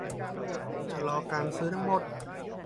ชะลอการซื้อทั้งหมด